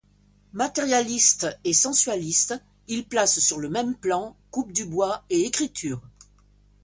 Matérialiste et sensualiste, il place sur le même plan coupe du bois et écriture.